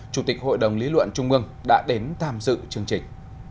chủ tịch hội đồng lý luận trung ương đã đến tham dự chương trình